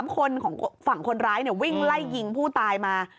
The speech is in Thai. ๓คนของฝั่งคนร้ายวิ่งไล่ยิงผู้ตายมา